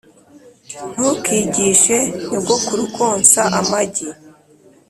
ntukigishe nyogokuru konsa amagi